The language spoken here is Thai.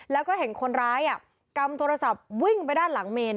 แล้วก็เห็นคนร้ายกำโทรศัพท์วิ่งไปด้านหลังเมน